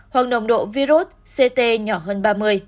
hoặc nồng độ virus ct nhỏ hơn ba mươi